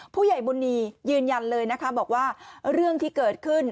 ผู้ใหญ่บุญนียืนยันเลยนะคะบอกว่าเรื่องที่เกิดขึ้น